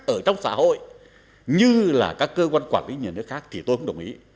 ở trong xã hội như là các cơ quan quản lý nhà nước khác thì tôi cũng đồng ý